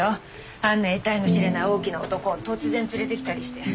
あんなえたいの知れない大きな男を突然連れてきたりして。